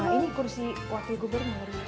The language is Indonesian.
saya duduk sini ya pak